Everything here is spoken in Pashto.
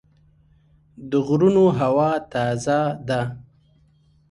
د غرونو هوا تازه ده.